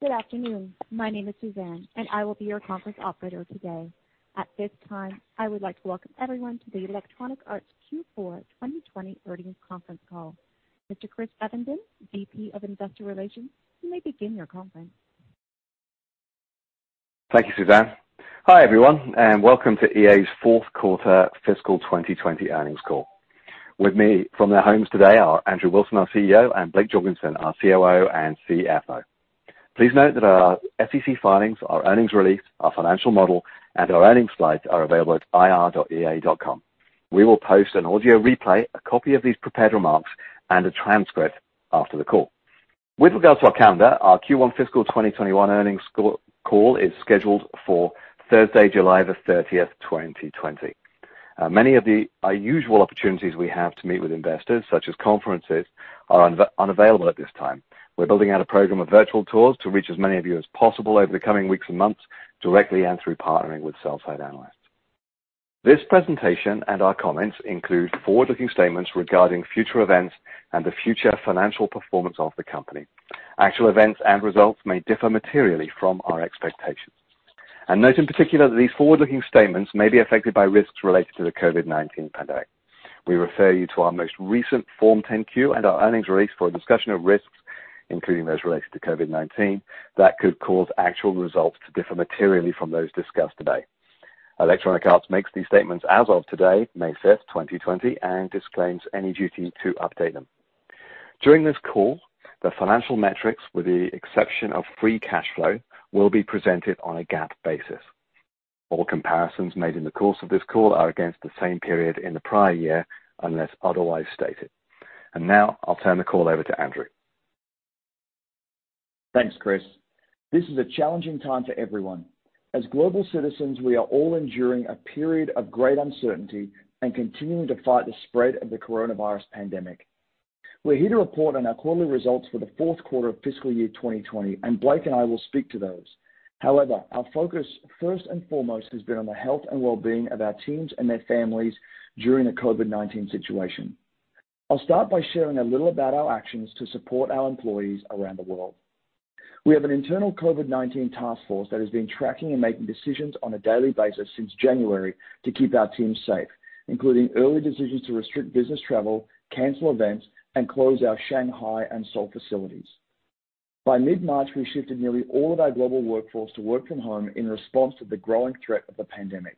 Good afternoon. My name is Suzanne, and I will be your conference operator today. At this time, I would like to welcome everyone to the Electronic Arts Q4 2020 earnings conference call. Mr. Chris Evenden, VP of Investor Relations, you may begin your conference. Thank you, Suzanne. Hi, everyone, and welcome to EA's fourth quarter fiscal 2020 earnings call. With me from their homes today are Andrew Wilson, our CEO, and Blake Jorgensen, our COO and CFO. Please note that our SEC filings, our earnings release, our financial model, and our earnings slides are available at ir.ea.com. We will post an audio replay, a copy of these prepared remarks, and a transcript after the call. With regards to our calendar, our Q1 fiscal 2021 earnings call is scheduled for Thursday, July the 30th, 2020. Many of the usual opportunities we have to meet with investors, such as conferences, are unavailable at this time. We're building out a program of virtual tours to reach as many of you as possible over the coming weeks and months, directly and through partnering with sell-side analysts. This presentation and our comments include forward-looking statements regarding future events and the future financial performance of the company. Actual events and results may differ materially from our expectations. Note in particular that these forward-looking statements may be affected by risks related to the COVID-19 pandemic. We refer you to our most recent Form 10-Q and our earnings release for a discussion of risks, including those related to COVID-19, that could cause actual results to differ materially from those discussed today. Electronic Arts makes these statements as of today, May 5th, 2020, and disclaims any duty to update them. During this call, the financial metrics, with the exception of free cash flow, will be presented on a GAAP basis. All comparisons made in the course of this call are against the same period in the prior year, unless otherwise stated. Now I'll turn the call over to Andrew. Thanks, Chris. This is a challenging time for everyone. As global citizens, we are all enduring a period of great uncertainty and continuing to fight the spread of the coronavirus pandemic. We're here to report on our quarterly results for the fourth quarter of fiscal year 2020, and Blake and I will speak to those. However, our focus first and foremost has been on the health and well-being of our teams and their families during the COVID-19 situation. I'll start by sharing a little about our actions to support our employees around the world. We have an internal COVID-19 task force that has been tracking and making decisions on a daily basis since January to keep our teams safe, including early decisions to restrict business travel, cancel events, and close our Shanghai and Seoul facilities. By mid-March, we shifted nearly all of our global workforce to work from home in response to the growing threat of the pandemic.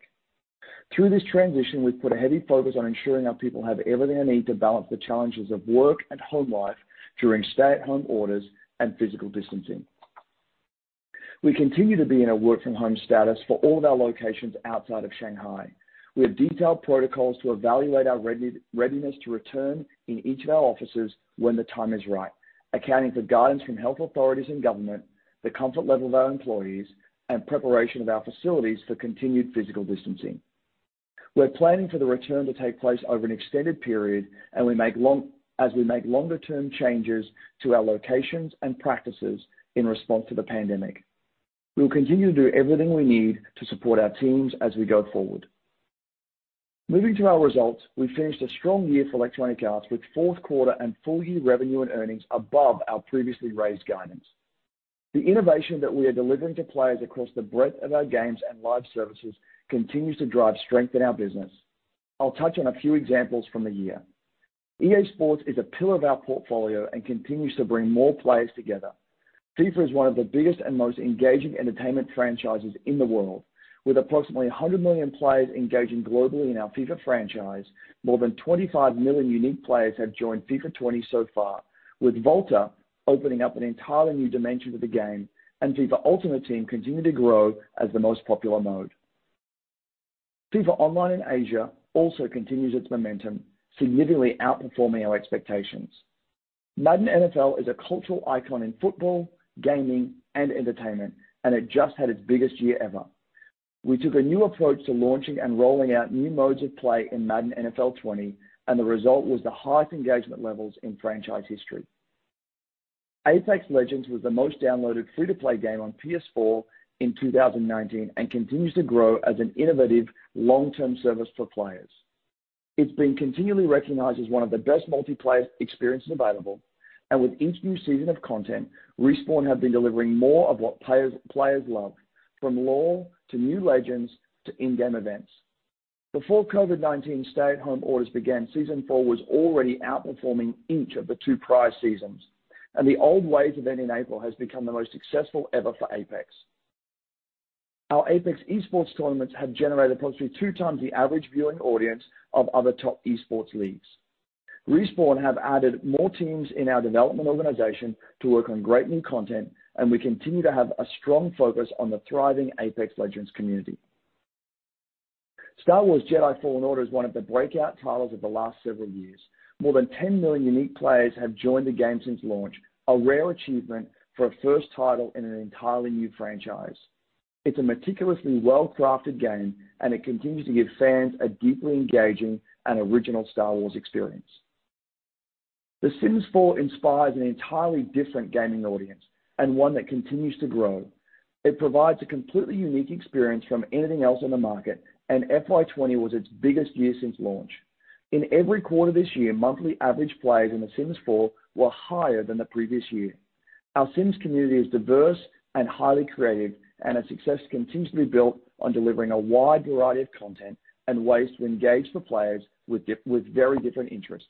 Through this transition, we've put a heavy focus on ensuring our people have everything they need to balance the challenges of work and home life during stay-at-home orders and physical distancing. We continue to be in a work-from-home status for all of our locations outside of Shanghai. We have detailed protocols to evaluate our readiness to return in each of our offices when the time is right, accounting for guidance from health authorities and government, the comfort level of our employees, and preparation of our facilities for continued physical distancing. We're planning for the return to take place over an extended period as we make longer-term changes to our locations and practices in response to the pandemic. We will continue to do everything we need to support our teams as we go forward. Moving to our results, we finished a strong year for Electronic Arts with fourth quarter and full-year revenue and earnings above our previously raised guidance. The innovation that we are delivering to players across the breadth of our games and live services continues to drive strength in our business. I'll touch on a few examples from the year. EA SPORTS is a pillar of our portfolio and continues to bring more players together. FIFA is one of the biggest and most engaging entertainment franchises in the world. With approximately 100 million players engaging globally in our FIFA franchise, more than 25 million unique players have joined FIFA 20 so far, with VOLTA opening up an entirely new dimension to the game and FIFA Ultimate Team continuing to grow as the most popular mode. FIFA Online in Asia also continues its momentum, significantly outperforming our expectations. Madden NFL is a cultural icon in football, gaming, and entertainment, and it just had its biggest year ever. We took a new approach to launching and rolling out new modes of play in Madden NFL 20, and the result was the highest engagement levels in franchise history. Apex Legends was the most downloaded free-to-play game on PS4 in 2019 and continues to grow as an innovative long-term service for players. It's been continually recognized as one of the best multiplayer experiences available, and with each new season of content, Respawn have been delivering more of what players love, from lore to new legends to in-game events. Before COVID-19 stay-at-home orders began, Season 4 was already outperforming each of the two prior seasons, and the Old Ways event in April has become the most successful ever for Apex. Our Apex esports tournaments have generated approximately 2x the average viewing audience of other top esports leagues. Respawn have added more teams in our development organization to work on great new content. We continue to have a strong focus on the thriving Apex Legends community. Star Wars Jedi: Fallen Order is one of the breakout titles of the last several years. More than 10 million unique players have joined the game since launch, a rare achievement for a first title in an entirely new franchise. It's a meticulously well-crafted game. It continues to give fans a deeply engaging and original Star Wars experience. The Sims 4 inspires an entirely different gaming audience and one that continues to grow. It provides a completely unique experience from anything else on the market. FY 2020 was its biggest year since launch. In every quarter this year, monthly average players in The Sims 4 were higher than the previous year. Our Sims community is diverse and highly creative, and its success continues to be built on delivering a wide variety of content and ways to engage the players with very different interests.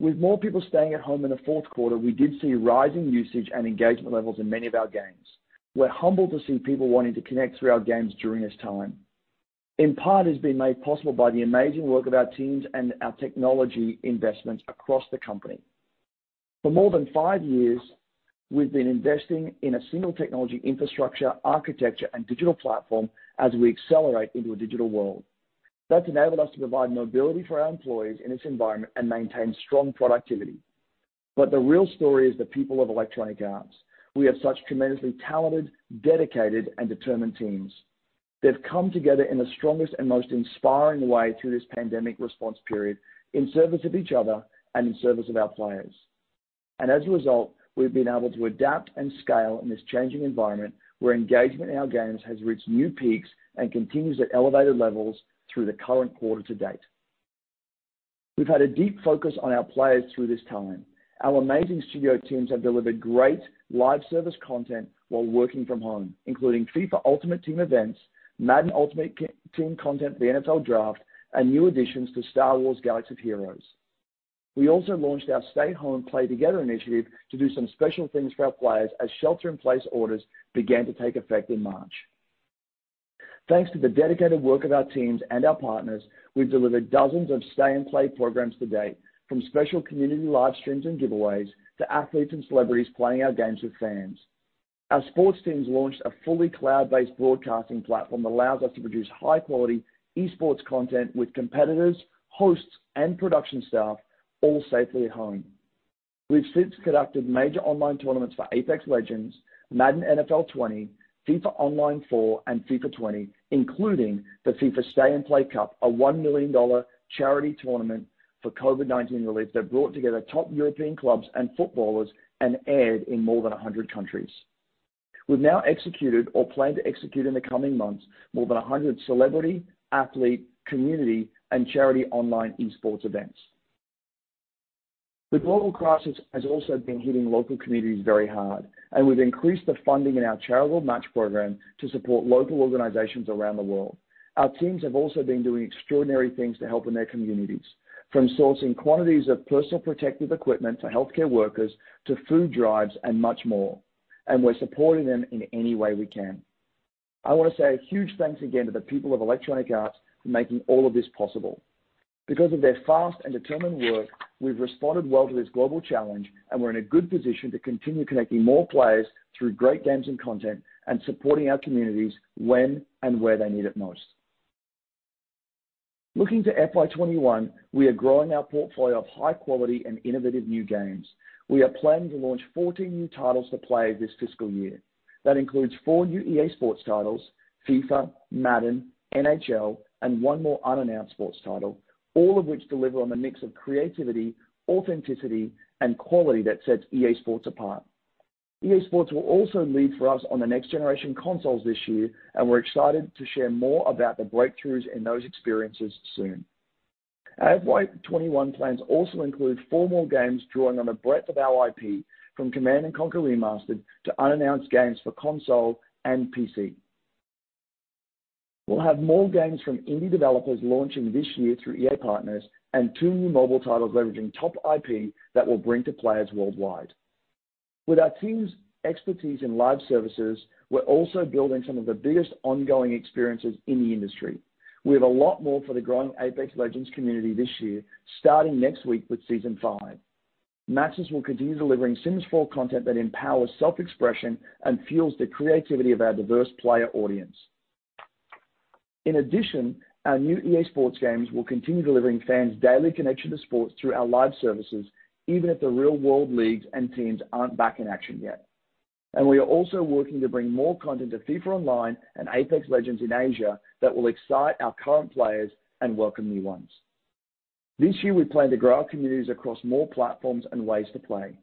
With more people staying at home in the fourth quarter, we did see rising usage and engagement levels in many of our games. We're humbled to see people wanting to connect through our games during this time. In part, it's been made possible by the amazing work of our teams and our technology investments across the company. For more than five years, we've been investing in a single technology infrastructure, architecture, and digital platform as we accelerate into a digital world. That's enabled us to provide mobility for our employees in this environment and maintain strong productivity. The real story is the people of Electronic Arts. We have such tremendously talented, dedicated, and determined teams. They've come together in the strongest and most inspiring way through this pandemic response period in service of each other and in service of our players. As a result, we've been able to adapt and scale in this changing environment where engagement in our games has reached new peaks and continues at elevated levels through the current quarter to date. We've had a deep focus on our players through this time. Our amazing studio teams have delivered great live service content while working from home, including FIFA Ultimate Team events, Madden Ultimate Team content for the NFL Draft, and new additions to Star Wars: Galaxy of Heroes. We also launched our Stay Home. Play Together initiative to do some special things for our players as shelter-in-place orders began to take effect in March. Thanks to the dedicated work of our teams and our partners, we've delivered dozens of Stay and Play programs to date, from special community live streams and giveaways to athletes and celebrities playing our games with fans. Our sports teams launched a fully cloud-based broadcasting platform that allows us to produce high-quality esports content with competitors, hosts, and production staff all safely at home. We've since conducted major online tournaments for Apex Legends, Madden NFL 20, FIFA Online 4, and FIFA 20, including the FIFA Stay and Play Cup, a $1 million charity tournament for COVID-19 relief that brought together top European clubs and footballers and aired in more than 100 countries. We've now executed or plan to execute in the coming months more than 100 celebrity, athlete, community, and charity online esports events. The global crisis has also been hitting local communities very hard, and we've increased the funding in our charitable match program to support local organizations around the world. Our teams have also been doing extraordinary things to help in their communities, from sourcing quantities of personal protective equipment to healthcare workers to food drives and much more, and we're supporting them in any way we can. I want to say a huge thanks again to the people of Electronic Arts for making all of this possible. Because of their fast and determined work, we've responded well to this global challenge, and we're in a good position to continue connecting more players through great games and content and supporting our communities when and where they need it most. Looking to FY 2021, we are growing our portfolio of high quality and innovative new games. We are planning to launch 14 new titles to play this fiscal year. That includes four new EA SPORTS titles, FIFA, Madden, NHL, and one more unannounced sports title, all of which deliver on the mix of creativity, authenticity, and quality that sets EA SPORTS apart. EA SPORTS will also lead for us on the next-generation consoles this year, and we're excited to share more about the breakthroughs in those experiences soon. Our FY 2021 plans also include four more games drawing on the breadth of our IP, from Command & Conquer Remastered to unannounced games for console and PC. We'll have more games from indie developers launching this year through EA Partners and two new mobile titles leveraging top IP that we'll bring to players worldwide. With our team's expertise in live services, we're also building some of the biggest ongoing experiences in the industry. We have a lot more for the growing Apex Legends community this year, starting next week with Season 5. Maxis will continue delivering The Sims 4 content that empowers self-expression and fuels the creativity of our diverse player audience. Our new EA SPORTS games will continue delivering fans daily connection to sports through our live services, even if the real-world leagues and teams aren't back in action yet. We are also working to bring more content to FIFA Online and Apex Legends in Asia that will excite our current players and welcome new ones. This year, we plan to grow our communities across more platforms and ways to play.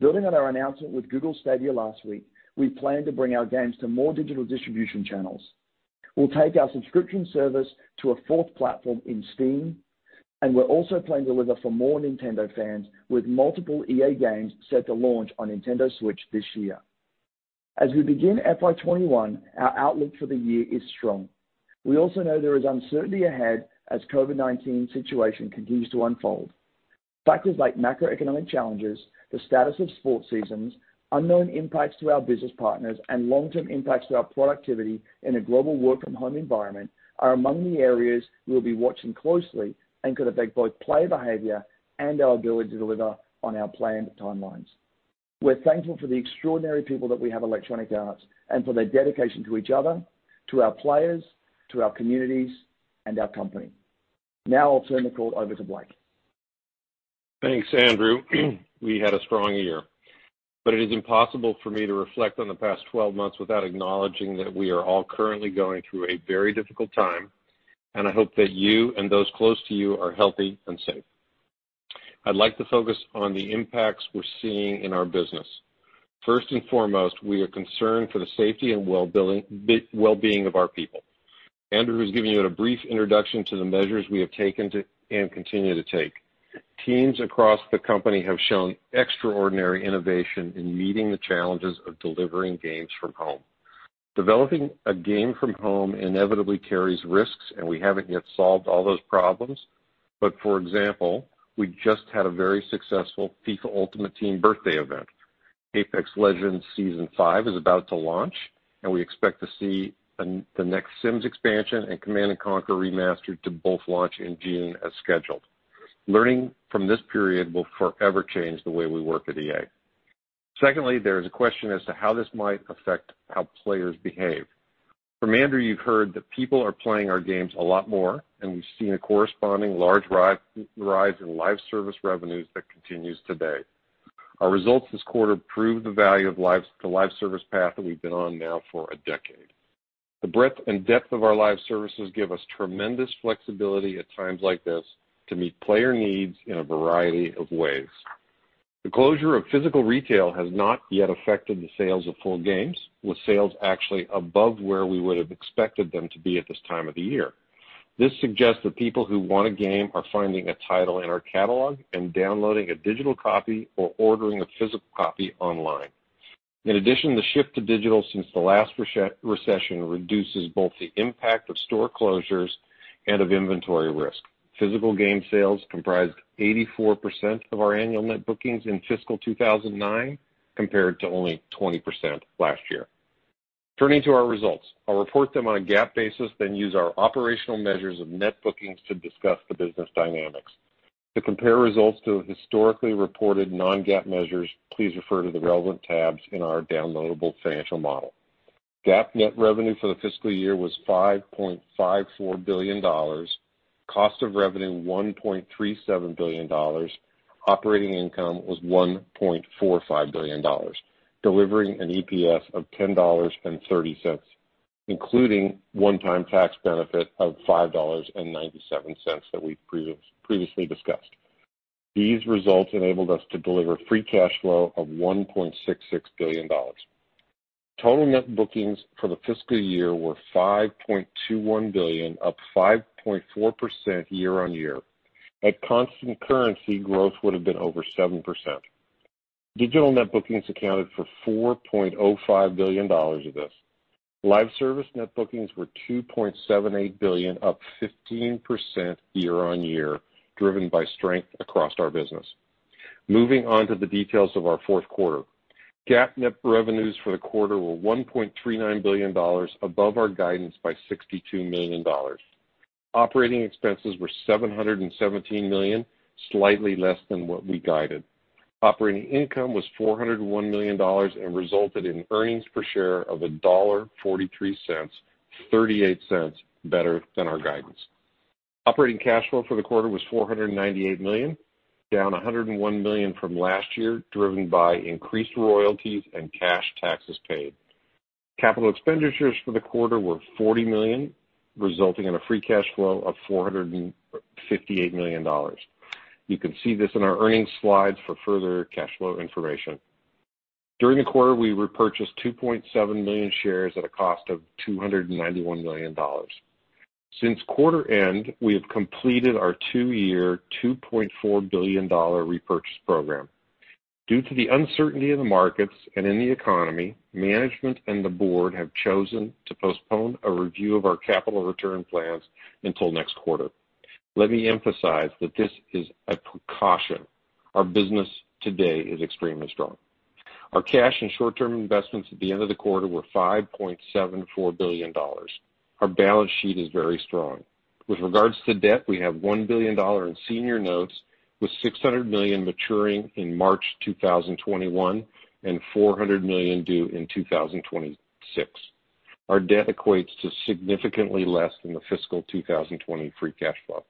Building on our announcement with Google Stadia last week, we plan to bring our games to more digital distribution channels. We'll take our subscription service to a fourth platform in Steam. We're also planning to deliver for more Nintendo fans with multiple EA games set to launch on Nintendo Switch this year. As we begin FY 2021, our outlook for the year is strong. We also know there is uncertainty ahead as COVID-19 situation continues to unfold. Factors like macroeconomic challenges, the status of sports seasons, unknown impacts to our business partners, and long-term impacts to our productivity in a global work-from-home environment are among the areas we'll be watching closely and could affect both player behavior and our ability to deliver on our planned timelines. We're thankful for the extraordinary people that we have at Electronic Arts and for their dedication to each other, to our players, to our communities, and our company. I'll turn the call over to Blake. Thanks, Andrew. We had a strong year. It is impossible for me to reflect on the past 12 months without acknowledging that we are all currently going through a very difficult time, and I hope that you and those close to you are healthy and safe. I'd like to focus on the impacts we're seeing in our business. First and foremost, we are concerned for the safety and well-being of our people. Andrew has given you a brief introduction to the measures we have taken and continue to take. Teams across the company have shown extraordinary innovation in meeting the challenges of delivering games from home. Developing a game from home inevitably carries risks, and we haven't yet solved all those problems. For example, we just had a very successful FIFA Ultimate Team Birthday event. Apex Legends Season 5 is about to launch. We expect to see the next Sims expansion and Command & Conquer Remastered to both launch in June as scheduled. Learning from this period will forever change the way we work at EA. Secondly, there is a question as to how this might affect how players behave. From Andrew, you've heard that people are playing our games a lot more. We've seen a corresponding large rise in live service revenues that continues today. Our results this quarter prove the value of the live service path that we've been on now for a decade. The breadth and depth of our live services give us tremendous flexibility at times like this to meet player needs in a variety of ways. The closure of physical retail has not yet affected the sales of full games, with sales actually above where we would have expected them to be at this time of the year. This suggests that people who want a game are finding a title in our catalog and downloading a digital copy or ordering a physical copy online. In addition, the shift to digital since the last recession reduces both the impact of store closures and of inventory risk. Physical game sales comprised 84% of our annual net bookings in fiscal 2009, compared to only 20% last year. Turning to our results, I'll report them on a GAAP basis, then use our operational measures of net bookings to discuss the business dynamics. To compare results to historically reported non-GAAP measures, please refer to the relevant tabs in our downloadable financial model. GAAP net revenue for the fiscal year was $5.54 billion. Cost of revenue, $1.37 billion. Operating income was $1.45 billion. Delivering an EPS of $10.30, including one-time tax benefit of $5.97 that we've previously discussed. These results enabled us to deliver free cash flow of $1.66 billion. Total net bookings for the fiscal year were $5.21 billion, up 5.4% year on year. At constant currency, growth would have been over 7%. Digital net bookings accounted for $4.05 billion of this. Live service net bookings were $2.78 billion, up 15% year on year, driven by strength across our business. Moving on to the details of our fourth quarter. GAAP net revenues for the quarter were $1.39 billion, above our guidance by $62 million. Operating expenses were $717 million, slightly less than what we guided. Operating income was $401 million and resulted in earnings per share of $1.43, $0.38 better than our guidance. Operating cash flow for the quarter was $498 million, down $101 million from last year, driven by increased royalties and cash taxes paid. Capital expenditures for the quarter were $40 million, resulting in a free cash flow of $458 million. You can see this in our earnings slides for further cash flow information. During the quarter, we repurchased 2.7 million shares at a cost of $291 million. Since quarter end, we have completed our two-year, $2.4 billion repurchase program. Due to the uncertainty in the markets and in the economy, management and the board have chosen to postpone a review of our capital return plans until next quarter. Let me emphasize that this is a precaution. Our business today is extremely strong. Our cash and short-term investments at the end of the quarter were $5.74 billion. Our balance sheet is very strong. With regards to debt, we have $1 billion in senior notes, with $600 million maturing in March 2021 and $400 million due in 2026. Our debt equates to significantly less than the fiscal 2020 free cash flow.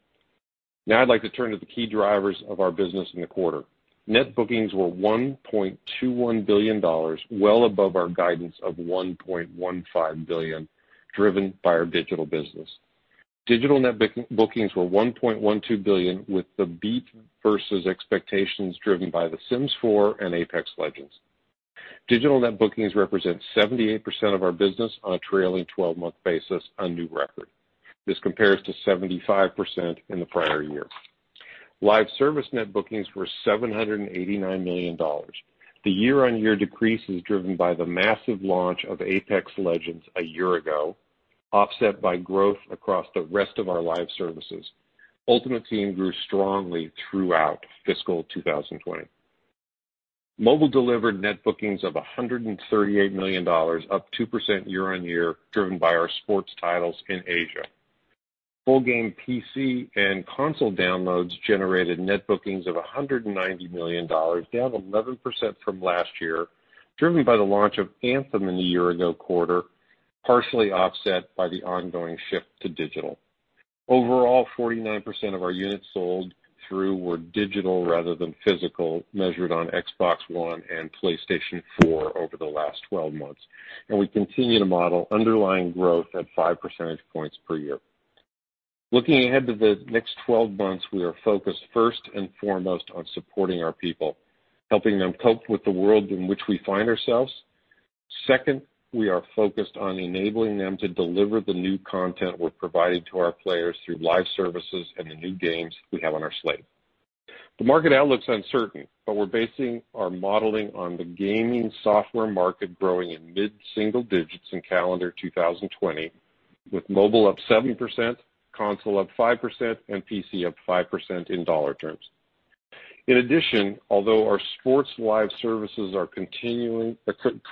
Now I'd like to turn to the key drivers of our business in the quarter. Net bookings were $1.21 billion, well above our guidance of $1.15 billion, driven by our digital business. Digital net bookings were $1.12 billion, with the beat versus expectations driven by The Sims 4 and Apex Legends. Digital net bookings represent 78% of our business on a trailing 12-month basis, a new record. This compares to 75% in the prior year. Live service net bookings were $789 million. The year on year decrease is driven by the massive launch of Apex Legends a year ago, offset by growth across the rest of our live services. Ultimate Team grew strongly throughout fiscal 2020. Mobile delivered net bookings of $138 million, up 2% year on year, driven by our sports titles in Asia. Full game PC and console downloads generated net bookings of $190 million, down 11% from last year, driven by the launch of Anthem in the year ago quarter, partially offset by the ongoing shift to digital. Overall, 49% of our units sold through were digital rather than physical, measured on Xbox One and PlayStation 4 over the last 12 months, and we continue to model underlying growth at 5 percentage points per year. Looking ahead to the next 12 months, we are focused first and foremost on supporting our people, helping them cope with the world in which we find ourselves. Second, we are focused on enabling them to deliver the new content we're providing to our players through live services and the new games we have on our slate. The market outlook's uncertain, but we're basing our modeling on the gaming software market growing in mid-single digits in calendar 2020, with mobile up 7%, console up 5%, and PC up 5% in dollar terms. In addition, although our sports live services are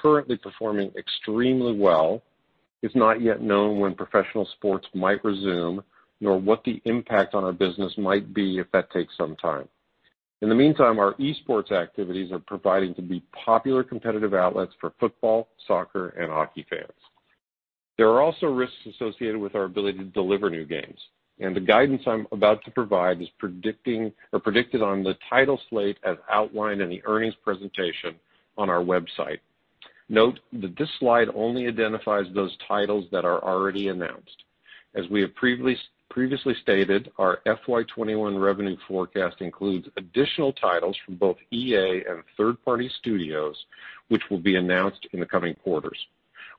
currently performing extremely well, it's not yet known when professional sports might resume, nor what the impact on our business might be if that takes some time. In the meantime, our esports activities are proving to be popular competitive outlets for football, soccer, and hockey fans. There are also risks associated with our ability to deliver new games, and the guidance I'm about to provide is predicted on the title slate as outlined in the earnings presentation on our website. Note that this slide only identifies those titles that are already announced. As we have previously stated, our fiscal 2021 revenue forecast includes additional titles from both EA and third-party studios, which will be announced in the coming quarters.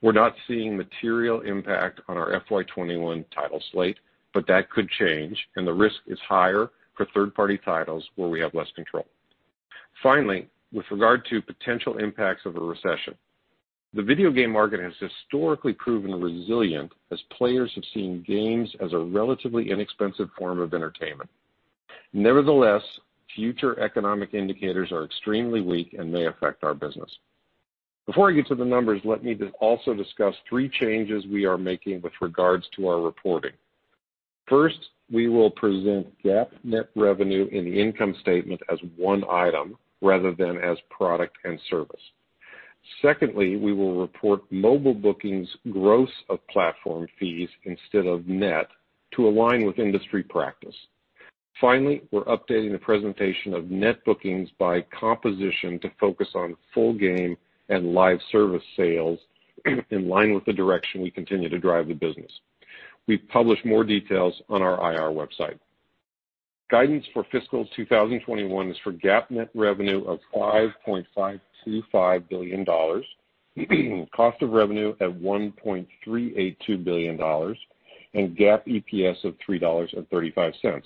We're not seeing material impact on our FY 2021 title slate, but that could change, and the risk is higher for third-party titles where we have less control. Finally, with regard to potential impacts of a recession, the video game market has historically proven resilient as players have seen games as a relatively inexpensive form of entertainment. Nevertheless, future economic indicators are extremely weak and may affect our business. Before I get to the numbers, let me also discuss three changes we are making with regards to our reporting. First, we will present GAAP net revenue in the income statement as one item rather than as product and service. Secondly, we will report mobile bookings gross of platform fees instead of net to align with industry practice. Finally, we're updating the presentation of net bookings by composition to focus on full game and live service sales in line with the direction we continue to drive the business. We've published more details on our IR website. Guidance for fiscal 2021 is for GAAP net revenue of $5.525 billion, cost of revenue at $1.382 billion, and GAAP EPS of $3.35.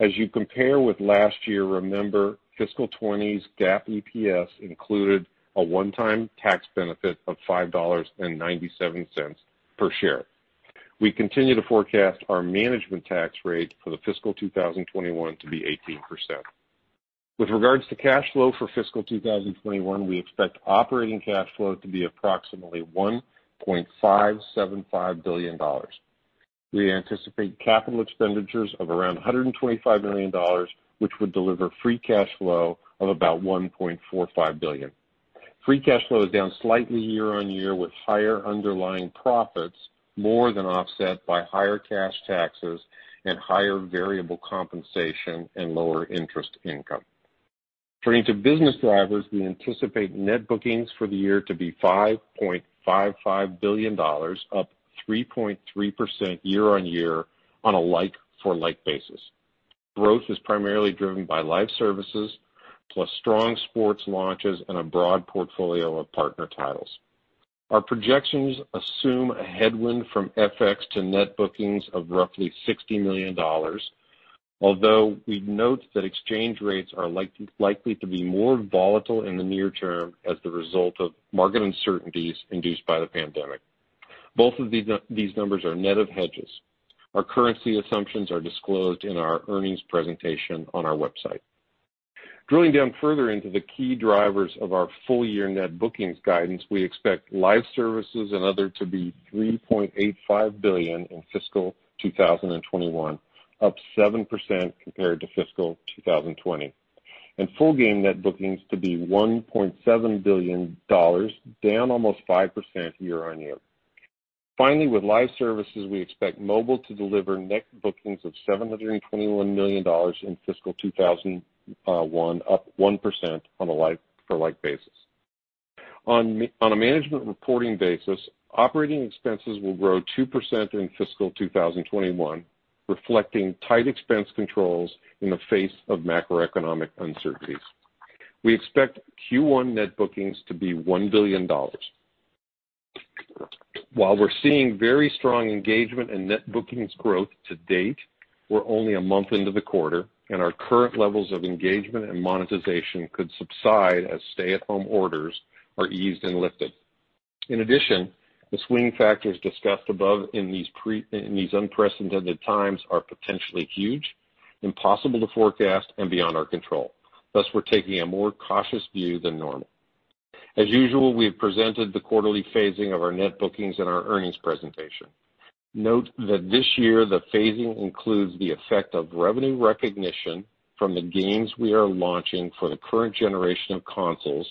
As you compare with last year, remember fiscal 2020's GAAP EPS included a one-time tax benefit of $5.97 per share. We continue to forecast our management tax rate for the fiscal 2021 to be 18%. With regards to cash flow for fiscal 2021, we expect operating cash flow to be approximately $1.575 billion. We anticipate capital expenditures of around $125 million, which would deliver free cash flow of about $1.45 billion. Free cash flow is down slightly year on year, with higher underlying profits more than offset by higher cash taxes and higher variable compensation and lower interest income. Turning to business drivers, we anticipate net bookings for the year to be $5.55 billion, up 3.3% year-on-year on a like-for-like basis. Growth is primarily driven by live services, plus strong sports launches and a broad portfolio of partner titles. Our projections assume a headwind from FX to net bookings of roughly $60 million, although we note that exchange rates are likely to be more volatile in the near term as the result of market uncertainties induced by the pandemic. Both of these numbers are net of hedges. Our currency assumptions are disclosed in our earnings presentation on our website. Drilling down further into the key drivers of our full-year net bookings guidance, we expect live services and other to be $3.85 billion in fiscal 2021, up 7% compared to fiscal 2020. Full game net bookings to be $1.7 billion, down almost 5% year on year. Finally, with live services, we expect mobile to deliver net bookings of $721 million in fiscal 2021, up 1% on a like-for-like basis. On a management reporting basis, operating expenses will grow 2% in fiscal 2021, reflecting tight expense controls in the face of macroeconomic uncertainties. We expect Q1 net bookings to be $1 billion. While we're seeing very strong engagement and net bookings growth to date, we're only a month into the quarter, and our current levels of engagement and monetization could subside as stay-at-home orders are eased and lifted. In addition, the swing factors discussed above in these unprecedented times are potentially huge, impossible to forecast, and beyond our control. Thus, we're taking a more cautious view than normal. As usual, we have presented the quarterly phasing of our net bookings in our earnings presentation. Note that this year, the phasing includes the effect of revenue recognition from the games we are launching for the current generation of consoles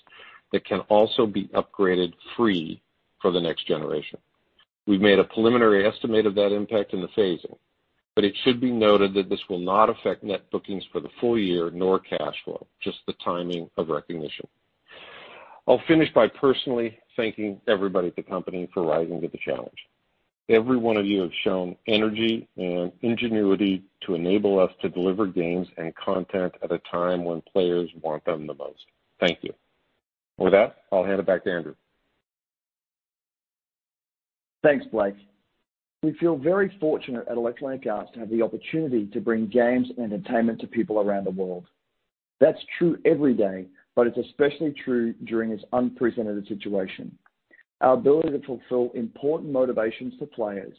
that can also be upgraded free for the next generation. It should be noted that this will not affect net bookings for the full year, nor cash flow, just the timing of recognition. I'll finish by personally thanking everybody at the company for rising to the challenge. Every one of you have shown energy and ingenuity to enable us to deliver games and content at a time when players want them the most. Thank you. With that, I'll hand it back to Andrew. Thanks, Blake. We feel very fortunate at Electronic Arts to have the opportunity to bring games and entertainment to people around the world. That's true every day, but it's especially true during this unprecedented situation. Our ability to fulfill important motivations to players,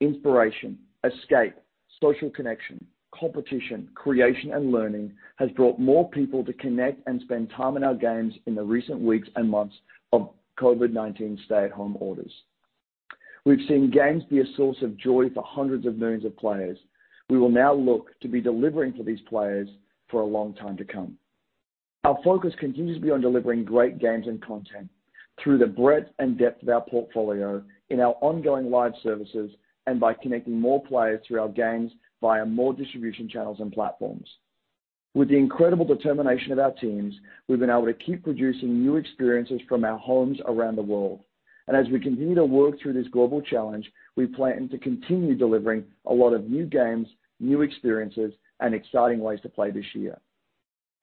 inspiration, escape, social connection, competition, creation, and learning, has brought more people to connect and spend time in our games in the recent weeks and months of COVID-19 stay-at-home orders. We've seen games be a source of joy for hundreds of millions of players. We will now look to be delivering for these players for a long time to come. Our focus continues to be on delivering great games and content through the breadth and depth of our portfolio in our ongoing live services and by connecting more players through our games via more distribution channels and platforms. With the incredible determination of our teams, we've been able to keep producing new experiences from our homes around the world. As we continue to work through this global challenge, we plan to continue delivering a lot of new games, new experiences, and exciting ways to play this year.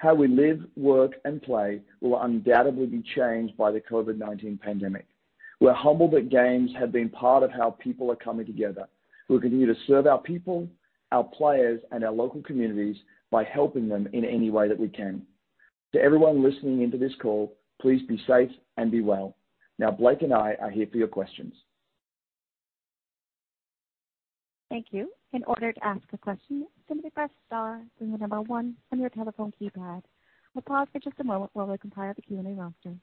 How we live, work, and play will undoubtedly be changed by the COVID-19 pandemic. We're humbled that games have been part of how people are coming together. We'll continue to serve our people, our players, and our local communities by helping them in any way that we can. To everyone listening in to this call, please be safe and be well. Blake and I are here for your questions. Thank you. In order to ask a question, simply press star then the number one on your telephone keypad. We'll pause for just a moment while we compile the Q&A roster.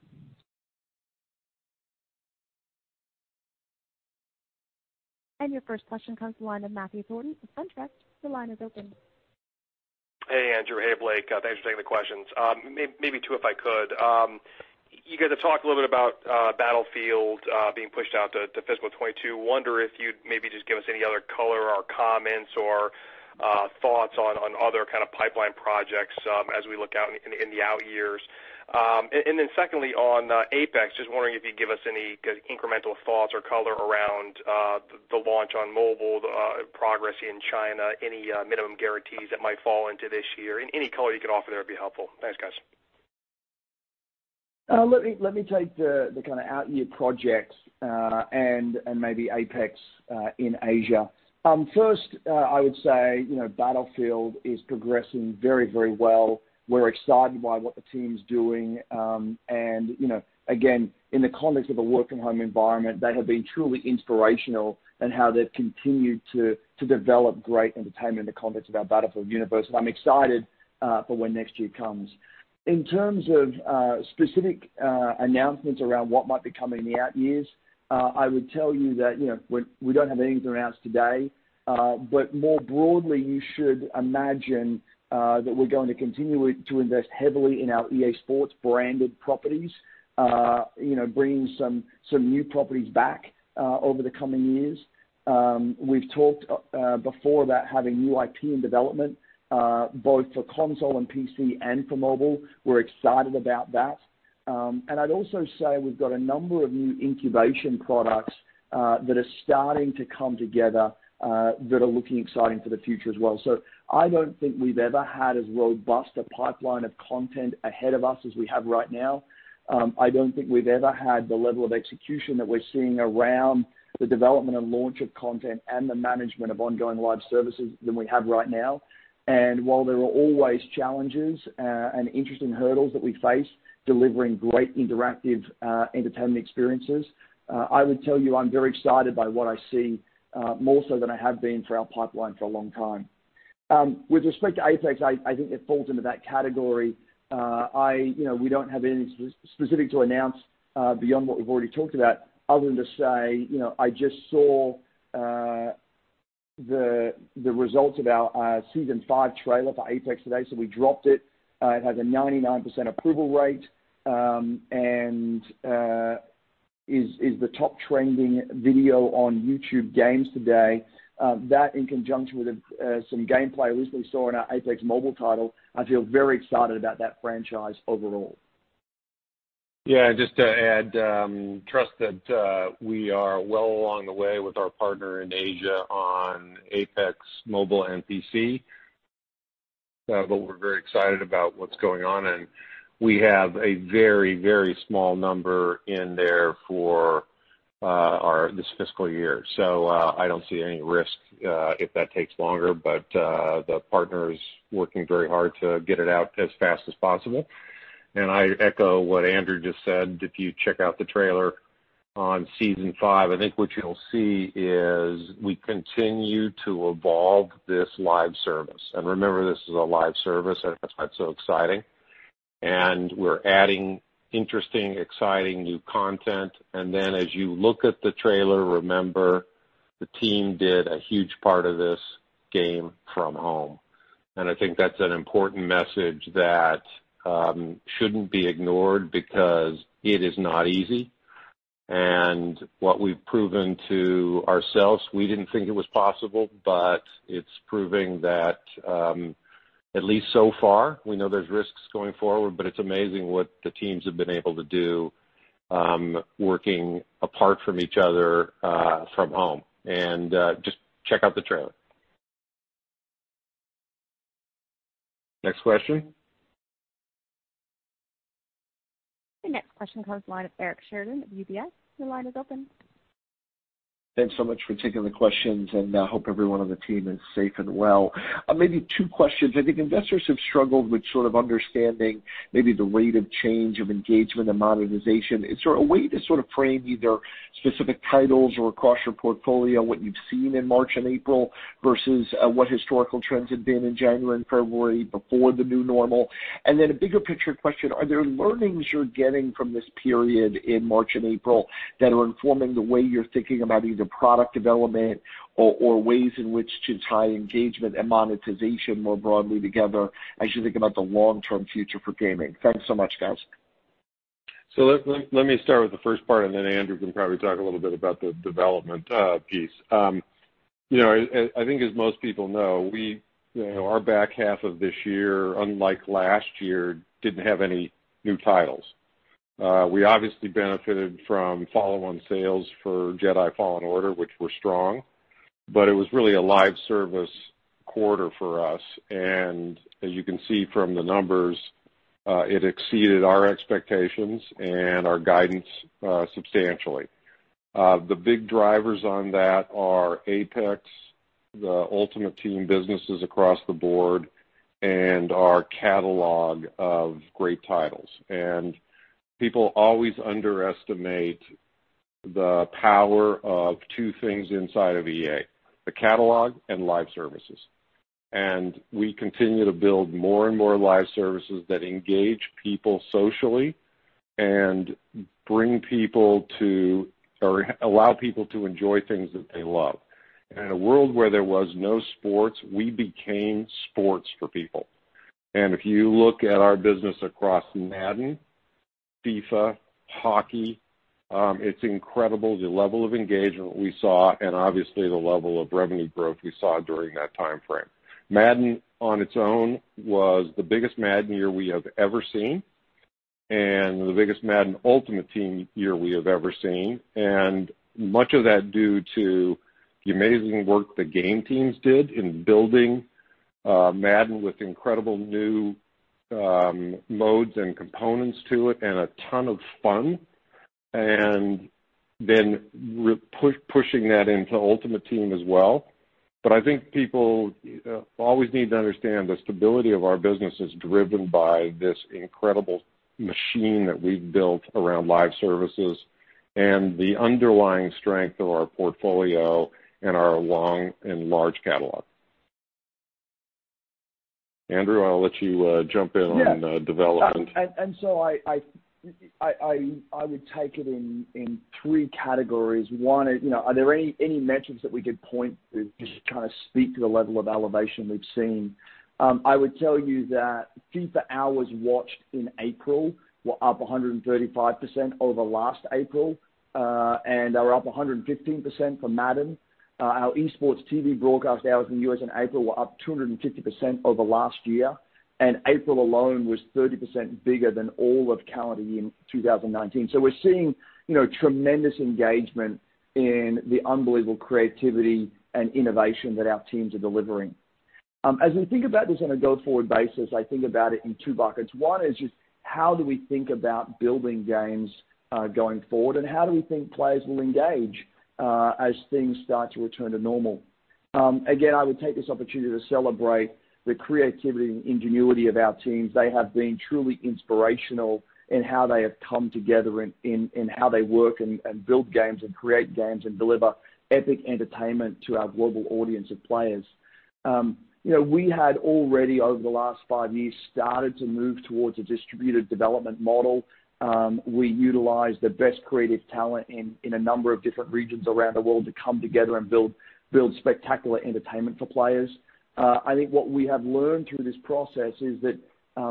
Your first question comes from the line of Matthew Thornton from SunTrust. Your line is open. Hey, Andrew. Hey, Blake. Thanks for taking the questions. Maybe two, if I could. You guys have talked a little bit about Battlefield being pushed out to fiscal 2022. Wonder if you'd maybe just give us any other color or comments or thoughts on other kind of pipeline projects as we look out in the out years. Secondly on Apex, just wondering if you'd give us any incremental thoughts or color around the launch on mobile, the progress in China, any minimum guarantees that might fall into this year. Any color you could offer there would be helpful. Thanks, guys. Let me take the kind of out year projects and maybe Apex in Asia. First, I would say Battlefield is progressing very well. We're excited by what the team's doing. Again, in the context of a work-at-home environment, they have been truly inspirational in how they've continued to develop great entertainment in the context of our Battlefield universe. I'm excited for when next year comes. In terms of specific announcements around what might be coming in the out years, I would tell you that we don't have anything to announce today. More broadly, you should imagine that we're going to continue to invest heavily in our EA SPORTS-branded properties, bringing some new properties back over the coming years. We've talked before about having new IP in development both for console and PC and for mobile. We're excited about that. I'd also say we've got a number of new incubation products that are starting to come together that are looking exciting for the future as well. I don't think we've ever had as robust a pipeline of content ahead of us as we have right now. I don't think we've ever had the level of execution that we're seeing around the development and launch of content and the management of ongoing live services than we have right now. While there are always challenges and interesting hurdles that we face delivering great interactive entertainment experiences, I would tell you I'm very excited by what I see more so than I have been for our pipeline for a long time. With respect to Apex, I think it falls into that category. We don't have anything specific to announce beyond what we've already talked about other than to say I just saw the results of our Season 5 trailer for Apex today. We dropped it. It has a 99% approval rate and is the top trending video on YouTube Games today. That in conjunction with some gameplay recently saw in our Apex Mobile title, I feel very excited about that franchise overall. Yeah, just to add, trust that we are well along the way with our partner in Asia on Apex Mobile and PC. We're very excited about what's going on, and we have a very small number in there for this fiscal year. I don't see any risk if that takes longer, but the partner is working very hard to get it out as fast as possible. I echo what Andrew just said. If you check out the trailer on Season 5, I think what you'll see is we continue to evolve this live service. Remember, this is a live service and that's why it's so exciting. We're adding interesting, exciting new content. As you look at the trailer, remember the team did a huge part of this game from home. I think that's an important message that shouldn't be ignored because it is not easy. What we've proven to ourselves, we didn't think it was possible, but it's proving that, at least so far, we know there's risks going forward, but it's amazing what the teams have been able to do working apart from each other from home. Just check out the trailer. Next question. The next question comes line of Eric Sheridan of UBS. Your line is open. Thanks so much for taking the questions, and I hope everyone on the team is safe and well. Maybe two questions. I think investors have struggled with sort of understanding maybe the rate of change of engagement and monetization. Is there a way to sort of frame either specific titles or across your portfolio, what you've seen in March and April versus what historical trends had been in January and February before the new normal? A bigger picture question, are there learnings you're getting from this period in March and April that are informing the way you're thinking about either product development or ways in which to tie engagement and monetization more broadly together as you think about the long-term future for gaming? Thanks so much, guys. Let me start with the first part, then Andrew can probably talk a little bit about the development piece. I think as most people know, our back half of this year, unlike last year, didn't have any new titles. We obviously benefited from follow-on sales for Jedi: Fallen Order, which were strong. It was really a live service quarter for us, and as you can see from the numbers, it exceeded our expectations and our guidance substantially. The big drivers on that are Apex, the Ultimate Team businesses across the board, and our catalog of great titles. People always underestimate the power of two things inside of EA, the catalog and live services. We continue to build more and more live services that engage people socially and bring people to or allow people to enjoy things that they love. In a world where there was no sports, we became sports for people. If you look at our business across Madden, FIFA, NHL, it's incredible the level of engagement we saw and obviously the level of revenue growth we saw during that timeframe. Madden on its own was the biggest Madden year we have ever seen, and the biggest Madden Ultimate Team year we have ever seen. Much of that is due to the amazing work the game teams did in building Madden with incredible new modes and components to it and a ton of fun, then pushing that into Ultimate Team as well. I think people always need to understand the stability of our business is driven by this incredible machine that we've built around live services and the underlying strength of our portfolio and our long and large catalog. Andrew, I'll let you jump in on development. I would take it in three categories. One, are there any metrics that we could point to just to kind of speak to the level of elevation we've seen? I would tell you that FIFA hours watched in April were up 135% over last April, and they were up 115% for Madden. Our esports TV broadcast hours in the U.S. in April were up 250% over last year, and April alone was 30% bigger than all of calendar year 2019. We're seeing tremendous engagement in the unbelievable creativity and innovation that our teams are delivering. As we think about this on a go-forward basis, I think about it in two buckets. One is just how do we think about building games going forward, and how do we think players will engage as things start to return to normal? I would take this opportunity to celebrate the creativity and ingenuity of our teams. They have been truly inspirational in how they have come together and in how they work and build games and create games and deliver epic entertainment to our global audience of players. We had already over the last five years started to move towards a distributed development model. We utilize the best creative talent in a number of different regions around the world to come together and build spectacular entertainment for players. I think what we have learned through this process is that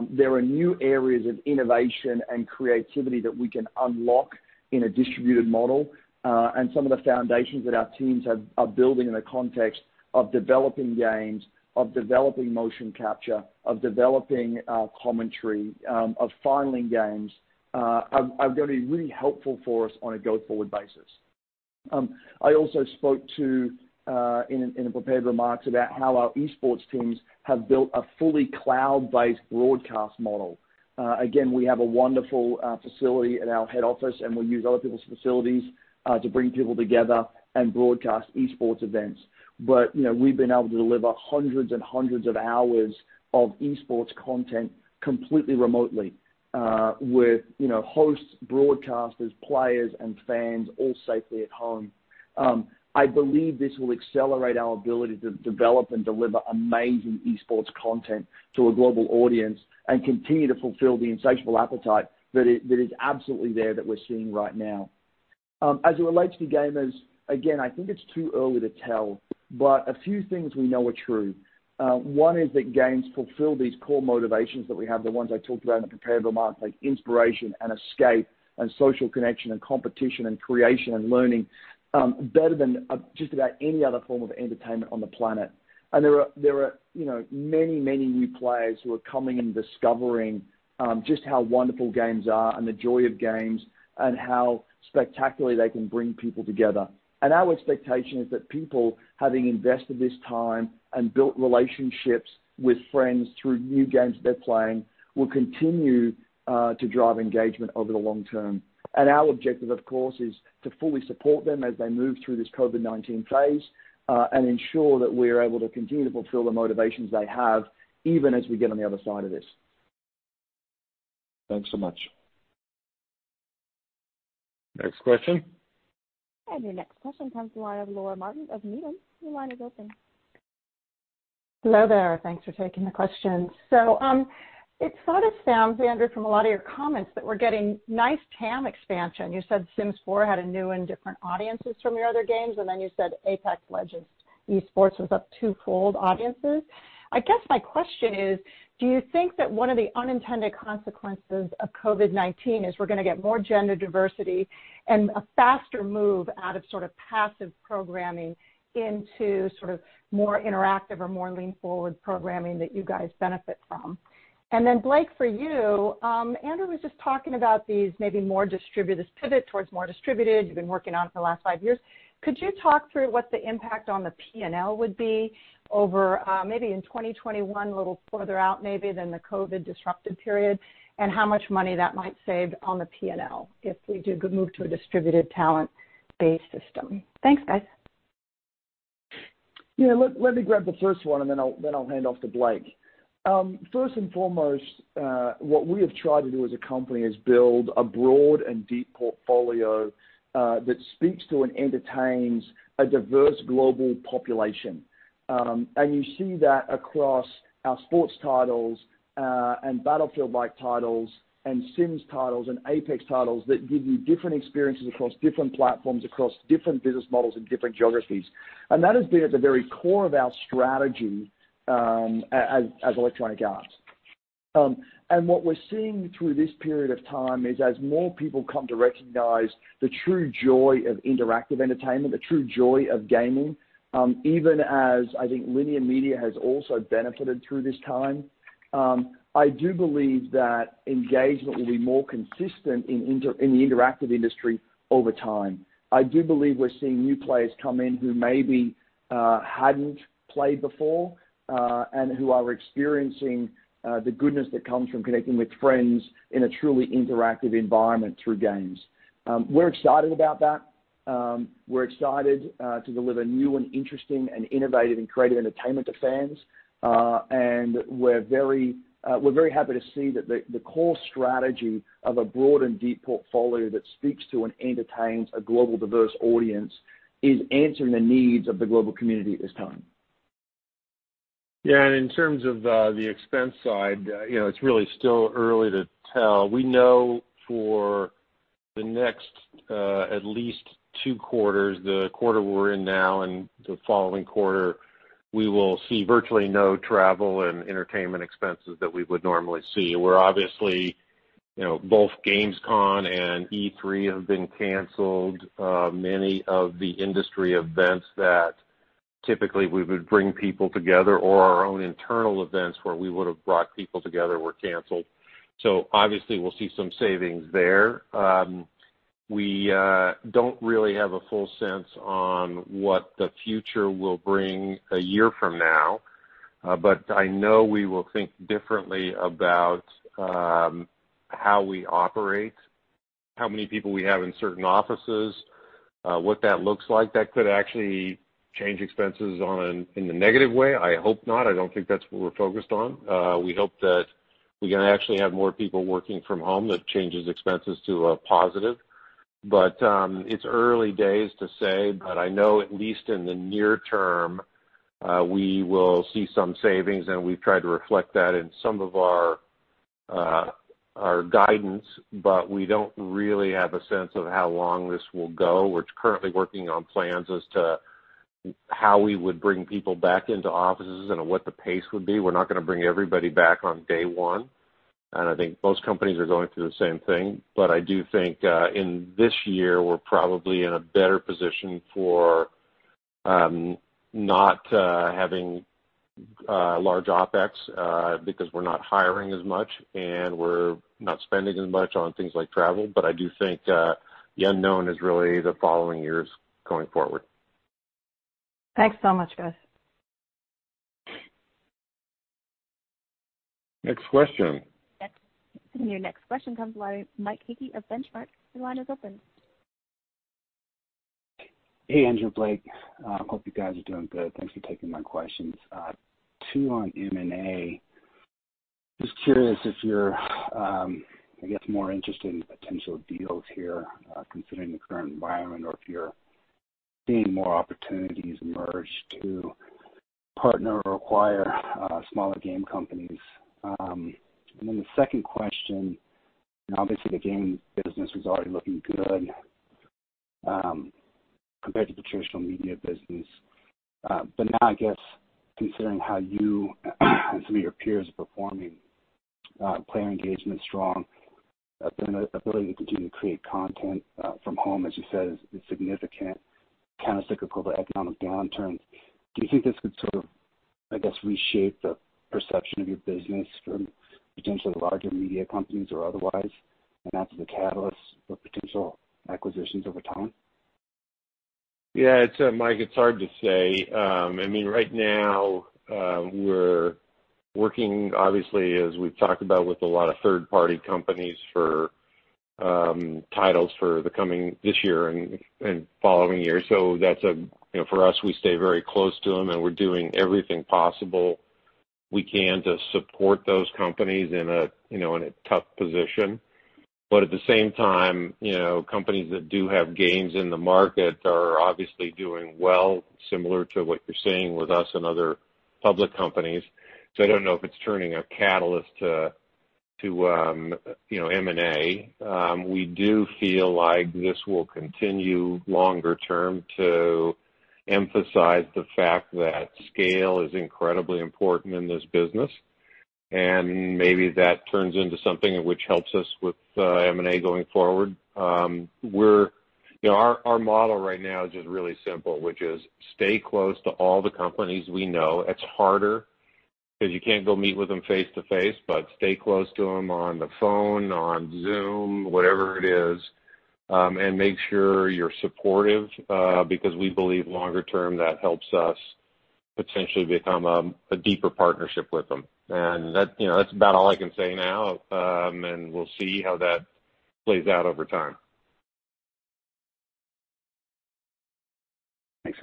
there are new areas of innovation and creativity that we can unlock in a distributed model. Some of the foundations that our teams are building in the context of developing games, of developing motion capture, of developing our commentary, of filing games are going to be really helpful for us on a go-forward basis. I also spoke in the prepared remarks about how our esports teams have built a fully cloud-based broadcast model. Again, we have a wonderful facility at our head office, and we use other people's facilities to bring people together and broadcast esports events. We've been able to deliver hundreds and hundreds of hours of esports content completely remotely with hosts, broadcasters, players, and fans all safely at home. I believe this will accelerate our ability to develop and deliver amazing esports content to a global audience and continue to fulfill the insatiable appetite that is absolutely there that we're seeing right now. As it relates to gamers, again, I think it's too early to tell, but a few things we know are true. One is that games fulfill these core motivations that we have, the ones I talked about in the prepared remarks, like inspiration and escape and social connection and competition and creation and learning, better than just about any other form of entertainment on the planet. There are many new players who are coming and discovering just how wonderful games are and the joy of games and how spectacularly they can bring people together. Our expectation is that people, having invested this time and built relationships with friends through new games they're playing, will continue to drive engagement over the long term. Our objective, of course, is to fully support them as they move through this COVID-19 phase and ensure that we're able to continue to fulfill the motivations they have, even as we get on the other side of this. Thanks so much. Next question. Your next question comes the line of Laura Martin of Needham. Your line is open. Hello there. Thanks for taking the question. It sort of sounds, Andrew, from a lot of your comments that we're getting nice TAM expansion. You said Sims 4 had a new and different audiences from your other games, and then you said Apex Legends Esports was up two-fold audiences. I guess my question is, do you think that one of the unintended consequences of COVID-19 is we're going to get more gender diversity and a faster move out of sort of passive programming into sort of more interactive or more lean-forward programming that you guys benefit from? Blake, for you, Andrew was just talking about these maybe more distributed pivot towards more distributed you've been working on for the last five years. Could you talk through what the impact on the P&L would be over maybe in 2021, a little further out maybe than the COVID disruptive period, and how much money that might save on the P&L if we do move to a distributed talent base system? Thanks, guys. Yeah. Let me grab the first one, and then I'll hand off to Blake. First and foremost, what we have tried to do as a company is build a broad and deep portfolio that speaks to and entertains a diverse global population. You see that across our sports titles and Battlefield-like titles and Sims titles and Apex titles that give you different experiences across different platforms, across different business models and different geographies. That has been at the very core of our strategy as Electronic Arts. What we're seeing through this period of time is as more people come to recognize the true joy of interactive entertainment, the true joy of gaming, even as I think linear media has also benefited through this time. I do believe that engagement will be more consistent in the interactive industry over time. I do believe we're seeing new players come in who maybe hadn't played before and who are experiencing the goodness that comes from connecting with friends in a truly interactive environment through games. We're excited about that. We're excited to deliver new and interesting and innovative and creative entertainment to fans. We're very happy to see that the core strategy of a broad and deep portfolio that speaks to and entertains a global, diverse audience is answering the needs of the global community at this time. Yeah, in terms of the expense side it's really still early to tell. We know for the next at least two quarters, the quarter we're in now and the following quarter, we will see virtually no travel and entertainment expenses that we would normally see, where obviously, both gamescom and E3 have been canceled. Many of the industry events that typically we would bring people together or our own internal events where we would have brought people together were canceled. Obviously we'll see some savings there. We don't really have a full sense on what the future will bring a year from now. I know we will think differently about how we operate, how many people we have in certain offices, what that looks like. That could actually change expenses in a negative way. I hope not. I don't think that's what we're focused on. We hope that we're going to actually have more people working from home. That changes expenses to a positive. It's early days to say, but I know at least in the near term, we will see some savings, and we've tried to reflect that in some of our guidance, but we don't really have a sense of how long this will go. We're currently working on plans as to how we would bring people back into offices and what the pace would be. We're not going to bring everybody back on day one, and I think most companies are going through the same thing. I do think in this year, we're probably in a better position for not having large OpEx because we're not hiring as much, and we're not spending as much on things like travel. I do think the unknown is really the following years going forward. Thanks so much, guys. Next question. Your next question comes from the line of Mike Hickey of Benchmark. Your line is open. Hey, Andrew and Blake. Hope you guys are doing good. Thanks for taking my questions. Two on M&A. Just curious if you're, I guess, more interested in potential deals here considering the current environment or if you're seeing more opportunities emerge to partner or acquire smaller game companies. The second question, obviously the game business was already looking good compared to the traditional media business. Now, I guess considering how you and some of your peers are performing, player engagement is strong. Ability to continue to create content from home, as you said, is significant, countercyclical to economic downturns. Do you think this could sort of, I guess, reshape the perception of your business from potentially larger media companies or otherwise, and act as a catalyst for potential acquisitions over time? Yeah, Mike, it's hard to say. Right now, we're working, obviously, as we've talked about, with a lot of third-party companies for titles for this year and following years. For us, we stay very close to them, and we're doing everything possible we can to support those companies in a tough position. At the same time, companies that do have games in the market are obviously doing well, similar to what you're seeing with us and other public companies. I don't know if it's turning a catalyst to M&A. We do feel like this will continue longer term to emphasize the fact that scale is incredibly important in this business, and maybe that turns into something which helps us with M&A going forward. Our model right now is just really simple, which is stay close to all the companies we know. It's harder because you can't go meet with them face-to-face, but stay close to them on the phone, on Zoom, whatever it is. Make sure you're supportive because we believe longer term, that helps us potentially become a deeper partnership with them. That's about all I can say now, and we'll see how that plays out over time. Thanks.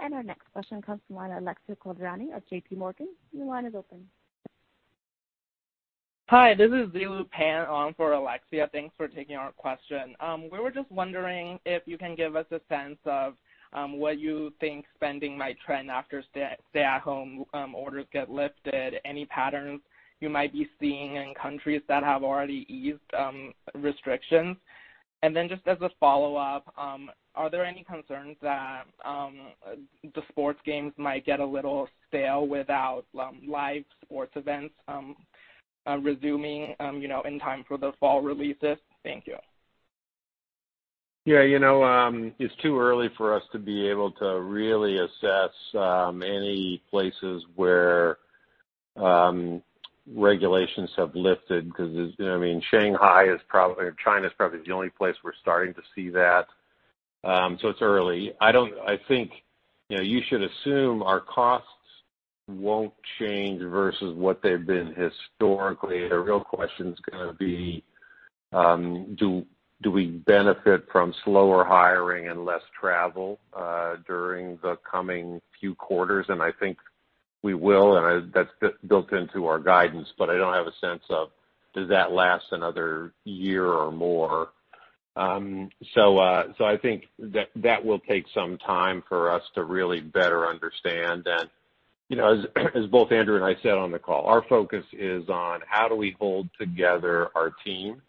Our next question comes from the line of Alexia Quadrani of JPMorgan. Your line is open. Hi, this is Zilu Pan on for Alexia. Thanks for taking our question. We were just wondering if you can give us a sense of where you think spending might trend after stay-at-home orders get lifted. Any patterns you might be seeing in countries that have already eased restrictions? Just as a follow-up, are there any concerns that the sports games might get a little stale without live sports events resuming in time for the fall releases? Thank you. Yeah. It's too early for us to be able to really assess any places where regulations have lifted because Shanghai or China is probably the only place we're starting to see that. It's early. I think you should assume our costs won't change versus what they've been historically. The real question's going to be, do we benefit from slower hiring and less travel during the coming few quarters? I think we will, and that's built into our guidance, but I don't have a sense of does that last another year or more. I think that will take some time for us to really better understand. As both Andrew and I said on the call, our focus is on how do we hold together our team.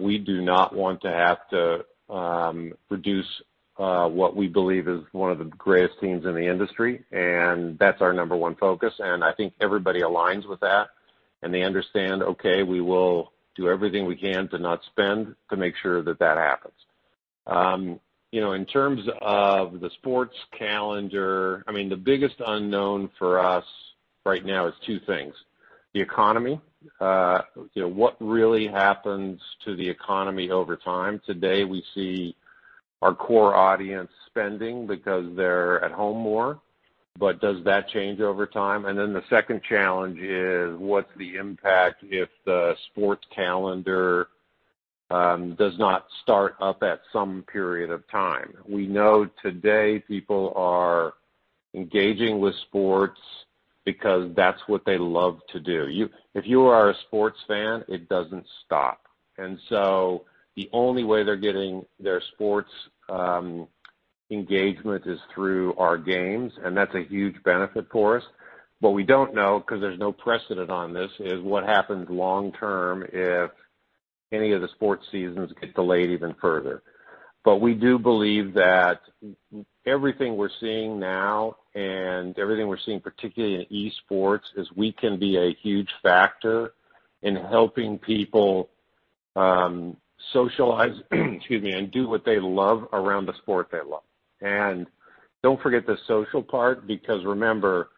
We do not want to have to reduce what we believe is one of the greatest teams in the industry, and that's our number one focus, and I think everybody aligns with that and they understand, okay, we will do everything we can to not spend to make sure that that happens. In terms of the sports calendar, the biggest unknown for us right now is two things. The economy. What really happens to the economy over time? Today, we see our core audience spending because they're at home more. Does that change over time? The second challenge is what's the impact if the sports calendar does not start up at some period of time? We know today people are engaging with sports because that's what they love to do. If you are a sports fan, it doesn't stop. The only way they're getting their sports engagement is through our games, and that's a huge benefit for us. We don't know, because there's no precedent on this, is what happens long term if any of the sports seasons get delayed even further. We do believe that everything we're seeing now and everything we're seeing, particularly in e-sports, is we can be a huge factor in helping people socialize and do what they love around the sport they love. Don't forget the social part because remember,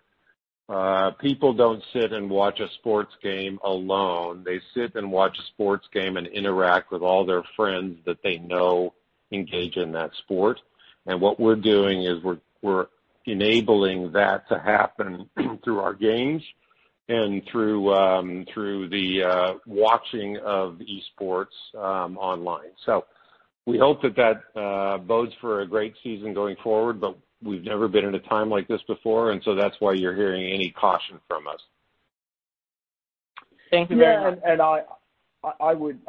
people don't sit and watch a sports game alone. They sit and watch a sports game and interact with all their friends that they know engage in that sport. What we're doing is we're enabling that to happen through our games and through the watching of e-sports online. We hope that that bodes for a great season going forward, but we've never been in a time like this before, and so that's why you're hearing any caution from us. Thank you very much. I would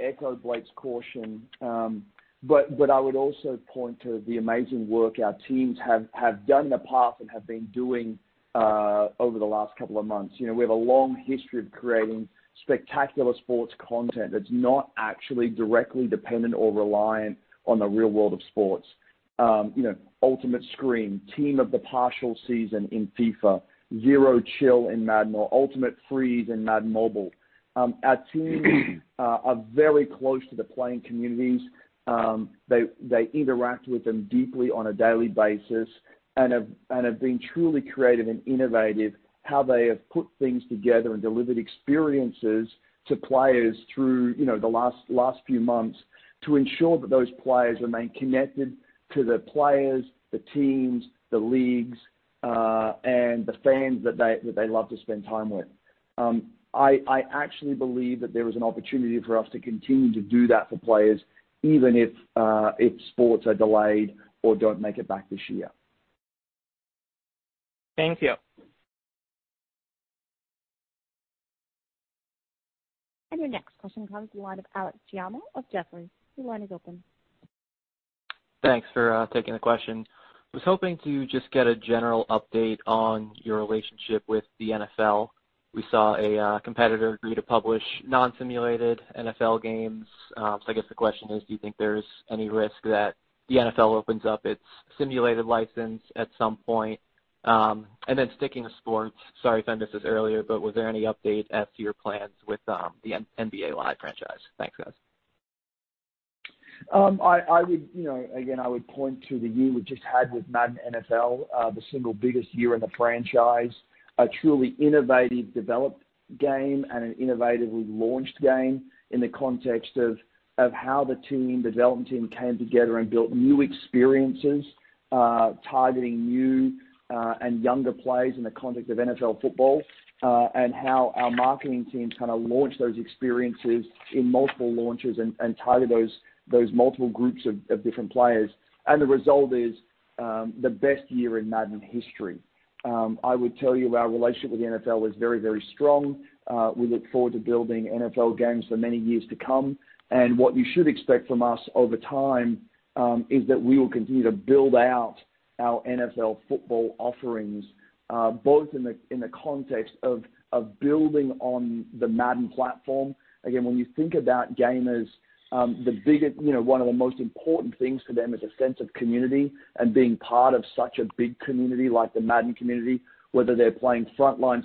echo Blake's caution. I would also point to the amazing work our teams have done in the past and have been doing over the last couple of months. We have a long history of creating spectacular sports content that's not actually directly dependent or reliant on the real world of sports. Ultimate Scream, Team of the Partial Season in FIFA, Zero Chill in Madden, or Ultimate Freeze in Madden Mobile. Our teams are very close to the playing communities. They interact with them deeply on a daily basis and have been truly creative and innovative how they have put things together and delivered experiences to players through the last few months to ensure that those players remain connected to the players, the teams, the leagues, and the fans that they love to spend time with. I actually believe that there is an opportunity for us to continue to do that for players, even if sports are delayed or don't make it back this year. Thank you. Your next question comes the line of Alex Giaimo of Jefferies. Your line is open. Thanks for taking the question. Was hoping to just get a general update on your relationship with the NFL. We saw a competitor agree to publish non-simulated NFL games. I guess the question is, do you think there's any risk that the NFL opens up its simulated license at some point? Then sticking to sports, sorry if I missed this earlier, but was there any update as to your plans with the NBA Live franchise? Thanks, guys. I would point to the year we just had with Madden NFL, the single biggest year in the franchise, a truly innovative developed game and an innovatively launched game in the context of how the development team came together and built new experiences, targeting new and younger players in the context of NFL football, and how our marketing teams kind of launched those experiences in multiple launches and targeted those multiple groups of different players. The result is the best year in Madden history. I would tell you our relationship with the NFL is very, very strong. We look forward to building NFL games for many years to come. What you should expect from us over time is that we will continue to build out our NFL football offerings, both in the context of building on the Madden platform. When you think about gamers, one of the most important things to them is a sense of community and being part of such a big community like the Madden community, whether they're playing frontline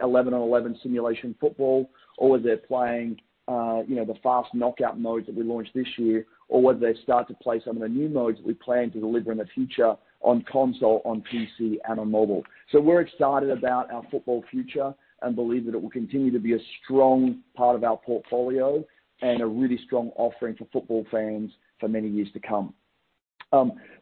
11-on-11 simulation football, or whether they're playing the fast knockout modes that we launched this year, or whether they start to play some of the new modes that we plan to deliver in the future on console, on PC, and on mobile. We're excited about our football future and believe that it will continue to be a strong part of our portfolio and a really strong offering for football fans for many years to come.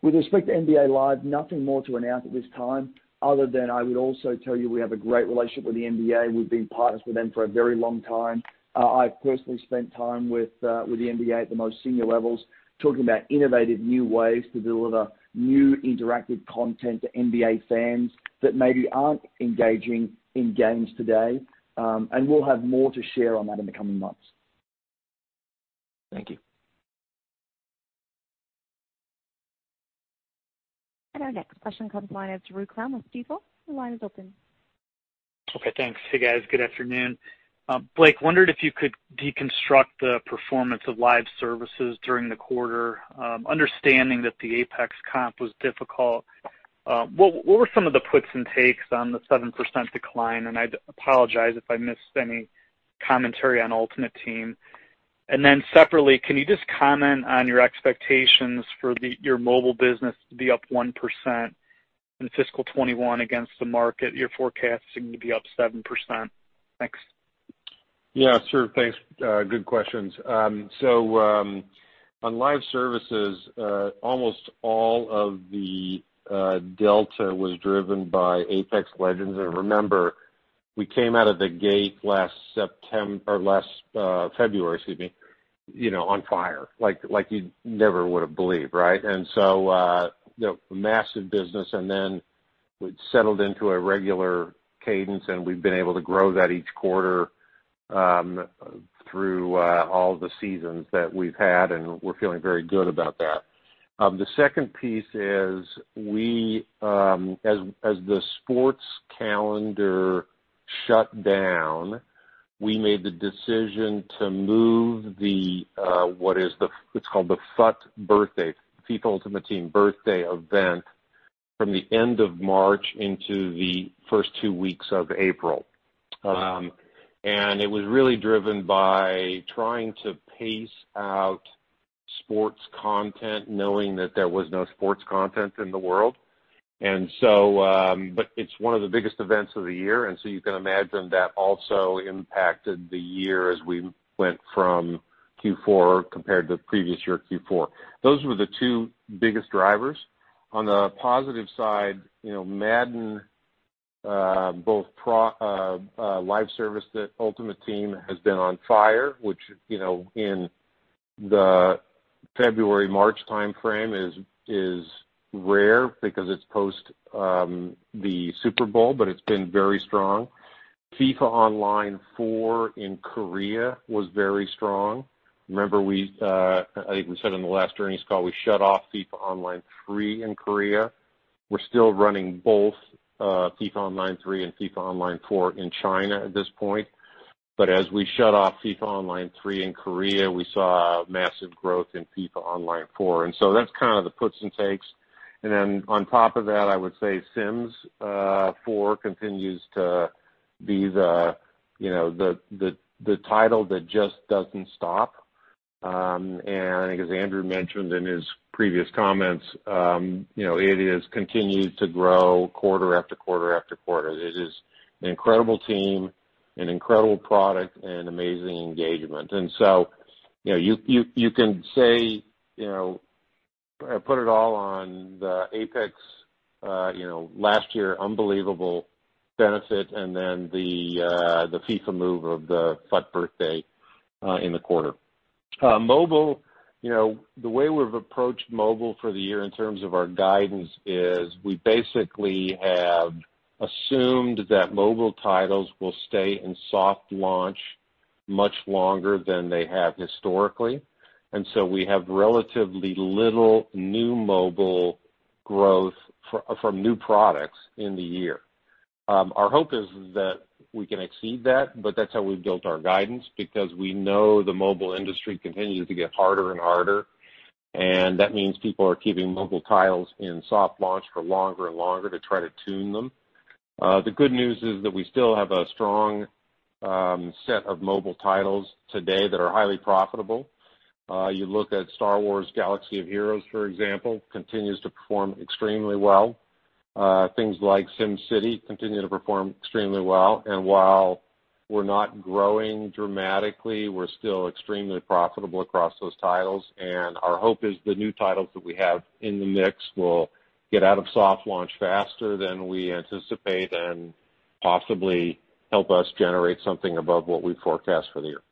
With respect to NBA Live, nothing more to announce at this time other than I would also tell you we have a great relationship with the NBA. We've been partners with them for a very long time. I've personally spent time with the NBA at the most senior levels talking about innovative new ways to deliver new interactive content to NBA fans that maybe aren't engaging in games today. We'll have more to share on that in the coming months. Thank you. Our next question comes the line of Drew Crum with Stifel. Your line is open. Okay. Thanks. Hey, guys. Good afternoon. Blake, wondered if you could deconstruct the performance of live services during the quarter, understanding that the Apex comp was difficult. What were some of the puts and takes on the 7% decline? I apologize if I missed any commentary on Ultimate Team. Separately, can you just comment on your expectations for your mobile business to be up 1% in fiscal 2021 against the market, your forecasting to be up 7%? Thanks. Yeah, sure. Thanks. Good questions. On live services, almost all of the delta was driven by Apex Legends. Remember, we came out of the gate last February on fire, like you never would have believed. Massive business, and then we settled into a regular cadence, and we've been able to grow that each quarter through all the seasons that we've had, and we're feeling very good about that. The second piece is as the sports calendar shut down, we made the decision to move what is called the FUT Birthday, FIFA Ultimate Team Birthday event from the end of March into the first two weeks of April. It was really driven by trying to pace out sports content, knowing that there was no sports content in the world. It's one of the biggest events of the year, and so you can imagine that also impacted the year as we went from Q4 compared to previous year Q4. Those were the two biggest drivers. On the positive side, Madden, both live service, the Ultimate Team has been on fire, which in the February, March timeframe is rare because it's post the Super Bowl, but it's been very strong. FIFA Online 4 in Korea was very strong. Remember, I think we said on the last earnings call, we shut off FIFA Online 3 in Korea. We're still running both FIFA Online 3 and FIFA Online 4 in China at this point. As we shut off FIFA Online 3 in Korea, we saw massive growth in FIFA Online 4. And so that's kind of the puts and takes. On top of that, I would say The Sims 4 continues to be the title that just doesn't stop. I think as Andrew mentioned in his previous comments, it has continued to grow quarter, after quarter, after quarter. It is an incredible team, an incredible product, and amazing engagement. You can say I put it all on the Apex last year, unbelievable benefit, and then the FIFA move of the FUT Birthday in the quarter. Mobile, the way we've approached mobile for the year in terms of our guidance is we basically have assumed that mobile titles will stay in soft launch much longer than they have historically. We have relatively little new mobile growth from new products in the year. Our hope is that we can exceed that, but that's how we've built our guidance because we know the mobile industry continues to get harder and harder. That means people are keeping mobile titles in soft launch for longer and longer to try to tune them. The good news is that we still have a strong set of mobile titles today that are highly profitable. You look at Star Wars: Galaxy of Heroes, for example, continues to perform extremely well. Things like SimCity continue to perform extremely well. While we're not growing dramatically, we're still extremely profitable across those titles. Our hope is the new titles that we have in the mix will get out of soft launch faster than we anticipate and possibly help us generate something above what we forecast for the year.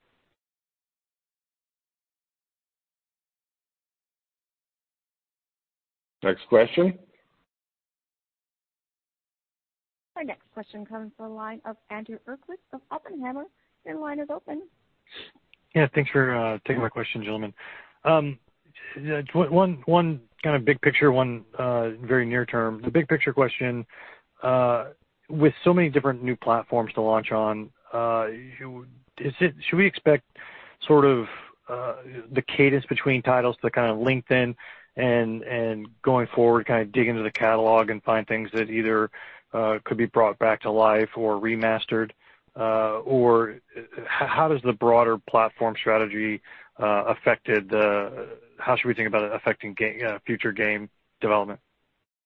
Next question. Our next question comes from the line of Andrew Uerkwitz of Oppenheimer. Your line is open. Yeah. Thanks for taking my question, gentlemen. One kind of big picture, one very near term. The big picture question, with so many different new platforms to launch on, should we expect sort of the cadence between titles to kind of link then and going forward, kind of dig into the catalog and find things that either could be brought back to life or remastered? How should we think about it affecting future game development?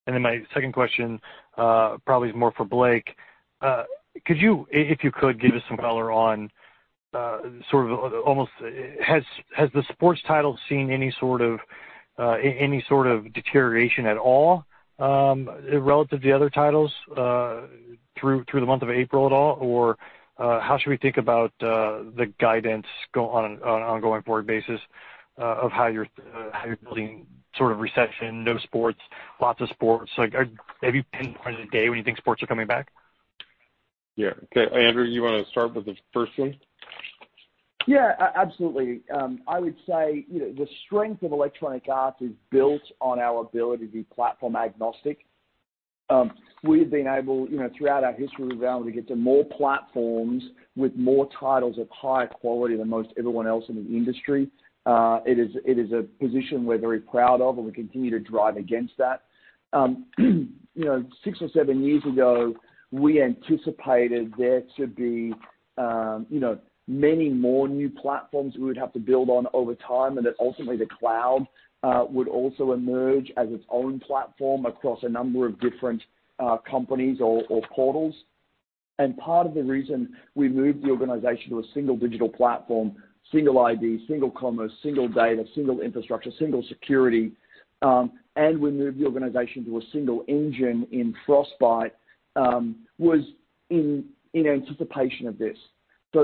Then my second question probably is more for Blake. Could you, if you could, give us some color on sort of almost has the sports title seen any sort of deterioration at all relative to the other titles through the month of April at all? How should we think about the guidance on an ongoing forward basis of how you're building sort of recession, no sports, lots of sports? Have you pinpointed a day when you think sports are coming back? Yeah. Okay, Andrew, you want to start with the first one? Yeah, absolutely. I would say the strength of Electronic Arts is built on our ability to be platform agnostic. We've been able, throughout our history, we've been able to get to more platforms with more titles of higher quality than most everyone else in the industry. It is a position we're very proud of, and we continue to drive against that. Six or seven years ago, we anticipated there to be many more new platforms we would have to build on over time, and that ultimately the cloud would also emerge as its own platform across a number of different companies or portals. Part of the reason we moved the organization to a single digital platform, single ID, single commerce, single data, single infrastructure, single security, and we moved the organization to a single engine in Frostbite was in anticipation of this.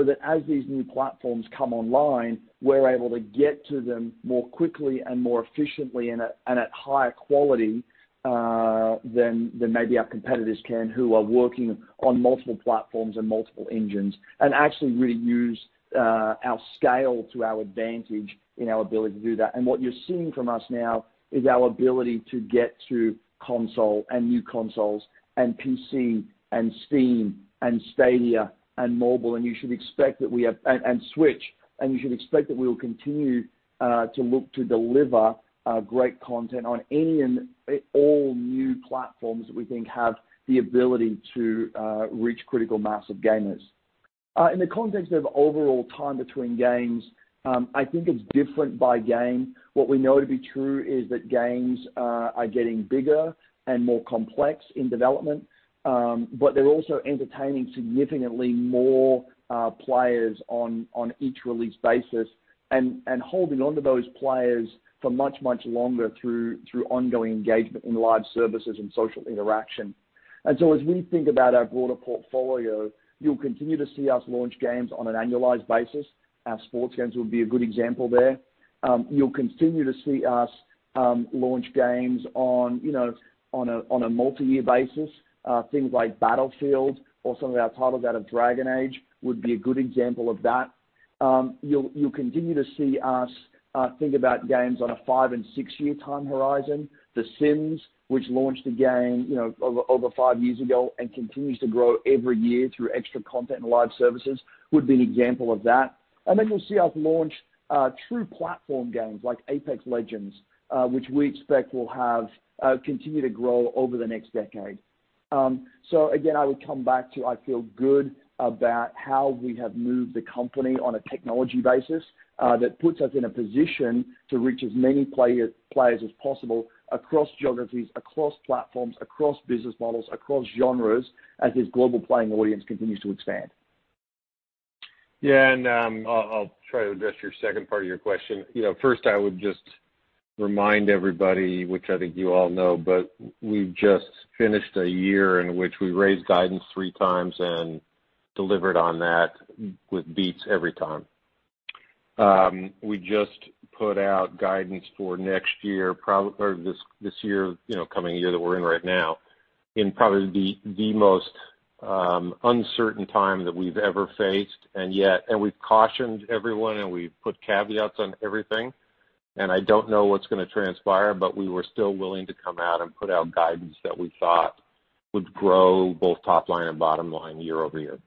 That as these new platforms come online, we're able to get to them more quickly and more efficiently and at higher quality than maybe our competitors can, who are working on multiple platforms and multiple engines. Actually really use our scale to our advantage in our ability to do that. What you're seeing from us now is our ability to get to console and new consoles and PC and Steam and Stadia and mobile, and Switch. You should expect that we will continue to look to deliver great content on any and all new platforms that we think have the ability to reach critical mass of gamers. In the context of overall time between games, I think it's different by game. What we know to be true is that games are getting bigger and more complex in development. They're also entertaining significantly more players on each release basis and holding onto those players for much longer through ongoing engagement in live services and social interaction. As we think about our broader portfolio, you'll continue to see us launch games on an annualized basis. Our sports games would be a good example there. You'll continue to see us launch games on a multi-year basis. Things like Battlefield or some of our titles out of Dragon Age would be a good example of that. You'll continue to see us think about games on a five and six-year time horizon. The Sims, which launched the game over five years ago and continues to grow every year through extra content and live services, would be an example of that. You'll see us launch true platform games like Apex Legends, which we expect will continue to grow over the next decade. Again, I would come back to I feel good about how we have moved the company on a technology basis that puts us in a position to reach as many players as possible across geographies, across platforms, across business models, across genres, as this global playing audience continues to expand. I'll try to address your second part of your question. First, I would just remind everybody, which I think you all know, but we've just finished a year in which we raised guidance 3x and delivered on that with beats every time. We just put out guidance for this coming year that we're in right now in probably the most uncertain time that we've ever faced. We've cautioned everyone, and we've put caveats on everything, and I don't know what's going to transpire, but we were still willing to come out and put out guidance that we thought would grow both top line and bottom line year-over-year.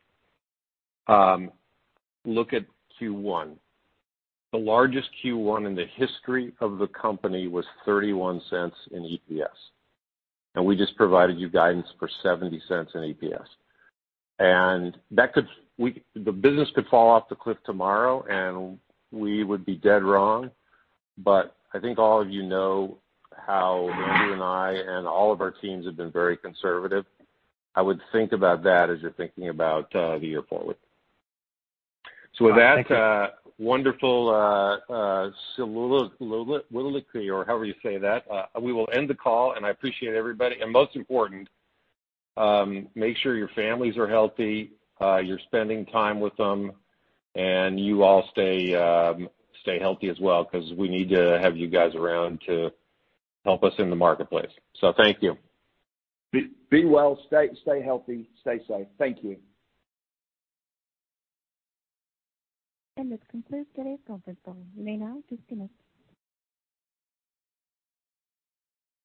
Look at Q1. The largest Q1 in the history of the company was $0.31 in EPS, and we just provided you guidance for $0.70 in EPS. The business could fall off the cliff tomorrow and we would be dead wrong, but I think all of you know how Andrew and I and all of our teams have been very conservative. I would think about that as you're thinking about the year forward. Thank you. With that wonderful or however you say that, we will end the call, and I appreciate everybody. Most important, make sure your families are healthy, you're spending time with them, and you all stay healthy as well because we need to have you guys around to help us in the marketplace. Thank you. Be well. Stay healthy. Stay safe. Thank you. This concludes today's conference call. You may now disconnect.